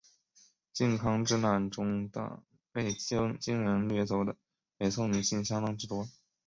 靖康之难中的被金人掠走的北宋女性相当之多。